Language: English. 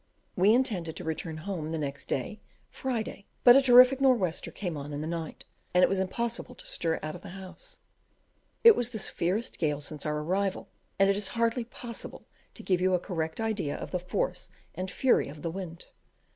We intended to return home the next day (Friday), but a terrific "nor' wester" came on in the night, and it was impossible to stir out of the house; it was the severest gale since our arrival, and it is hardly possible to give you a correct idea of the force and fury of the wind.